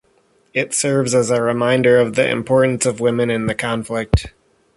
It serves as a reminder of the importance of women in the conflict.